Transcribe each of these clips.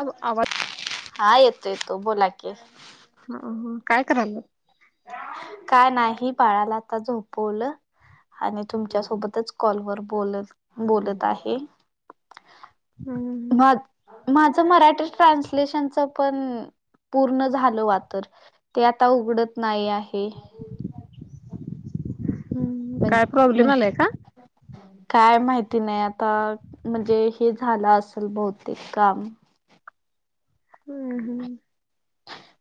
अव आवाज हा येतो येतो बोला की, ह ह काय कराल्यास? काय नाही बाळाला आता झोपवलं. आणि तुमच्या सोबतच कॉलवर बोल, बोलत आहे. हम्म मग, माझं मराठी ट्रान्सलेशनच पण. पूर्ण झालं व तरर ते आता उघडत नाही आहे. काय म्ह प्रॉब्लेम म्हज. आलाय का काय माहिती नाही आता म्हणजे हे झालं असेल बहुतेक काम. हम्म हम्म.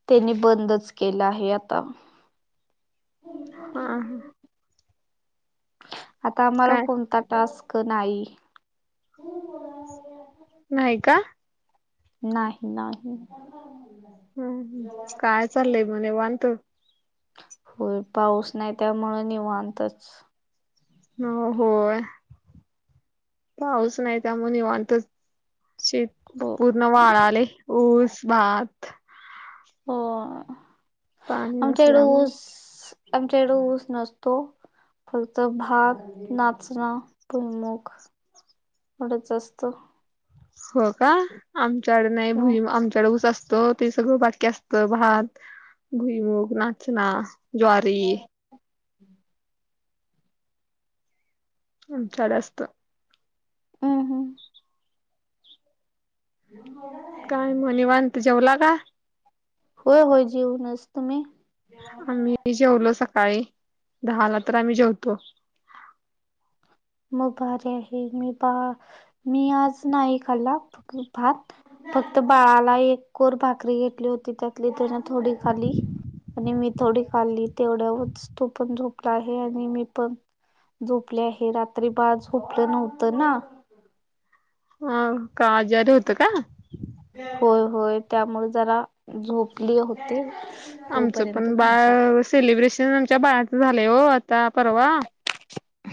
त्यांनी बंदच केला आहे आता- हा हा. आता आम्हाला काय कोणता टास्क नाही. नाही का? नाही नाही. हम हम काय चाललंय मग निवांत? हो पाऊस नाही त्यामुळे निवांतच. हो होय पाऊस नाही त्यामुळे निवांतच. शेत हो पूर्ण वाळालय, ऊस, भात. हो, पाणी आमच्याकडे नसल्यामुळे ऊस आमच्याकड ऊस नसतो. फक्त भाात, नाचणं, भुईमूग. एवढंच असत. हो का, आमच्याकडे नाही हो भुई आमच्याकड उस असतो. तो सगळं बाकी असतं भात, भुईमुग, नाचना, ज्वारी. आमच्याकड असत. हम हम. [unintelligible] काय मग निवांत. जेवला का? होय होय, जेऊनच तुम्ही? आम्ही जेवलो सकाळी दहा नंतर आम्ही जेवतो. मग भारी आहे, मी बा मी आज नाही खाला भात. फक्त बाळाला एक कोर भाकरी घेतली होती त्यातली त्यान थोडी खाली. आणि मी थोडी खाल्ली तेवढ्यावरच तो पण झोपला आहे आणि मी पण. झोपले आहे रात्री बाळ झोपलं नव्हतं ना. ह का आजारी होतं का? होय होय त्यामुळे जरा झोपली होते. आमचं पण बाळ सेलिब्रेशन आमच्या बाळाचं झालंय हो आता परवा.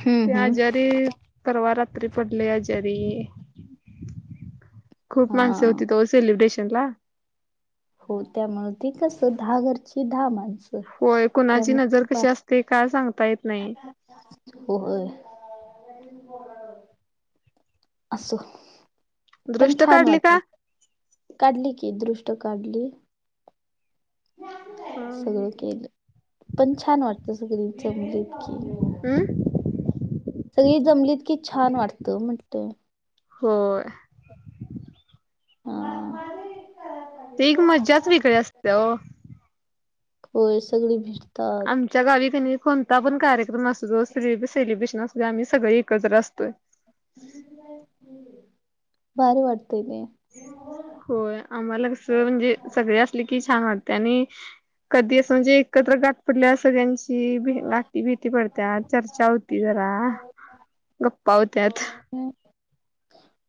हम्म त्या हम्म आजारी परवा रात्री पडलय आजरी, खूप हा माणस होती तो सेलिब्रेशन ला हो त्यामुळ ते कस दहा घरची दहा माणस. होय कुणाची नजर कशी असते काय सांगता येत नाही. होय. असो. पण दृष्ट छान काढली वाटत का? काढली की दृष्ट काढली. सगळं हम् केलं पण छान वाटत सगळीचमली इतकी. हम्म. सगळी जमलीत की छान वाटतं म्हटत. होय. [unintelligible] ते एक मजाच वेगळे असते. होय सगळी भेटतात. आुमच्या गावी कोणता पण कार्यक्रम अस जो सेलिब्रेशन असो आम्ही सगळे एकत्र असतोय. भारी वाटतेय होय आम्हाला कसं म्हणजे सगळी असली की छान वाटतय आणि कधी असं म्हणजे एकत्र आपल्या सगळ्यांची भी नाती भीती पडत्या चर्चा होती जरा गप्पा होत्यात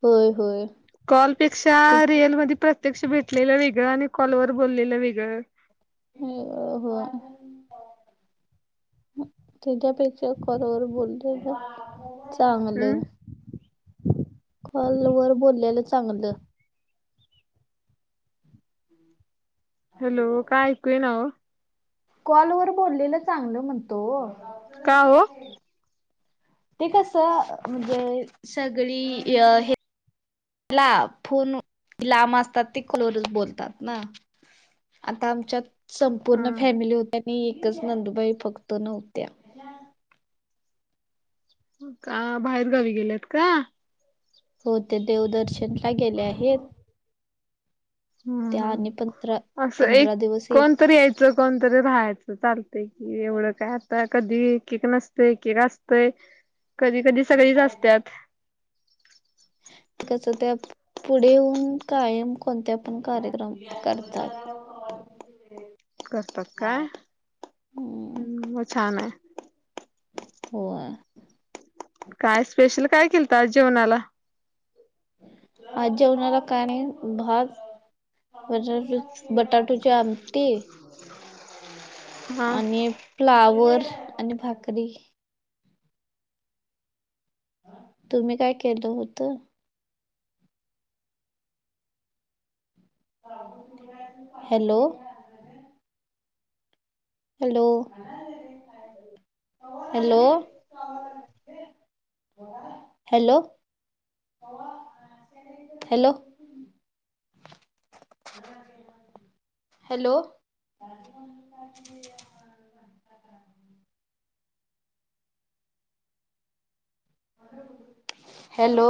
होय होय. कॉलपेक्षा ते रिअल मध्ये प्रत्यक्ष भेटलेलं वेगळं आणि कॉलवर बोललेलं वेगळ. ् [unintelligible] त्यांच्यापेक्षा कलवर बोलते तर चांगलं. हम् होय मी वर बोललेलं चांगलं. हमं हॅलो काय ऐकू येईना वो कॉल वर बोललेलं चांगलं म्हणतो का हो? ते कसे म्हणजे सगळी अ हे ला फोन लांब असतात ते फोनवर बोलतात ना आता आमच्यात हा संपूर्ण फॅमिली होत्या आणि एकच नंदुबाई फक्त नव्हत्या का बाहेरगावी गेल्यात का? हो ते देवदर्शन ला गेले आहेत. हम्म त्या आणि पंधरा हम्म असं एक पंधरा दिवस हे कोणतरी या कोणतरी राहायचं चालतंय कि एवढं काय आता कधी एक नसतं एकक असतंय कधी कधी सगळीच असतात. कसे ते पुढे होऊन कायम कोणते पण कार्यक्रम करतात. करतात काय हम्म छान आहे. होय काय स्पेशल काय केल तर आज जेवणाला? आज जेवणाला का नाही भात बटाट बटाटोची आमटी हा. आणि फ्लावर आणि भाकरी तुम्ही काय केलं होतं? Hello hello hello hello hello hello [unintelligible] hello